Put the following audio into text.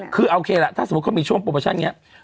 คือโอเคล่ะถ้าสมมุติเขามีช่วงโปรโมชั่นอย่างนี้